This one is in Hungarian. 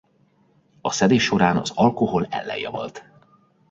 A szedés során az alkohol ellenjavallt.